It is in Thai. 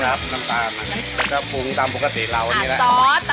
น้ำตาลแล้วก็ปรุงตามปกติเรานี่แหละ